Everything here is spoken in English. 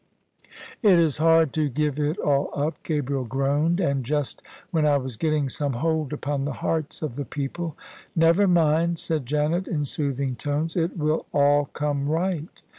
" It is hard to give it all up," Gabriel groaned; " and just when I was getting some hold upon the hearts of the people! " "Never mind," said Janet, in soothing tones; "it will all come right."